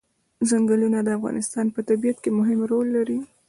ځنګلونه د افغانستان په طبیعت کې مهم رول لري.